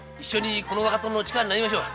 この若殿の力になりましょう。